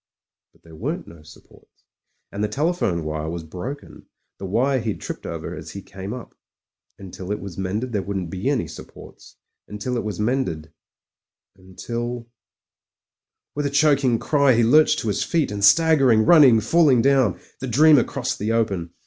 But there weren't no supports, and the telephone wire was broken — ^the wire he'd tripped over as he came up. Until it was mended there wouldn't be any supports — until it was mended — ^until With a chc4cing cry he lurched to his feet: and staggering, running, falling down, the dreamer crossed the open.